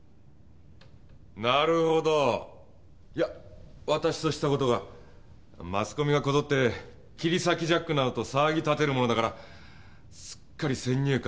なるほどいや私としたことがマスコミがこぞって切り裂きジャックなどと騒ぎ立てるものだからすっかり先入観にとらわれてしまった。